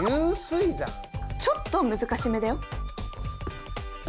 ちょっと難しめだよ！